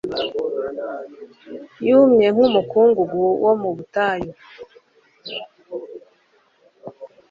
Yumye nkumukungugu wo mu butayu